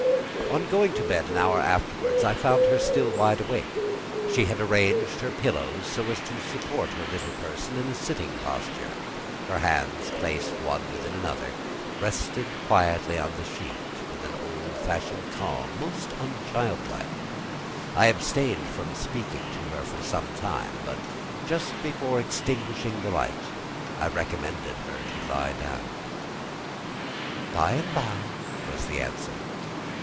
On going to bed an hour afterwards, I found her still wide awake. She had arranged her pillows so as to support her little person in a sitting posture: her hands, placed one within the other, rested quietly on the sheet, with an old fashioned calm most unchildlike. I abstained from speaking to her for some time, but just before extinguishing the light, I recommended her to lie down. "By and by," was the answer.